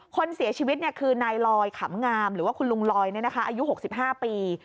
คนเสียชีวิตคือนายลอยขำงามหรือว่าคุณลุงลอยอายุ๖๕ปี